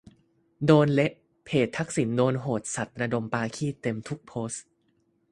โดนเละ เพจทักษิณโดนโหดสัสระดมปาขี้เต็มทุกโพสต์